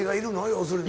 要するに。